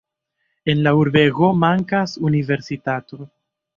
En la urbego mankas universitato.